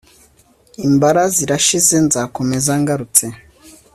Imbara zirashize nzakomeza ngarutse